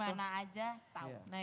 dimana aja tahu